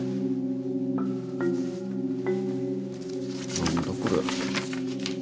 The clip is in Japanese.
何だこれ？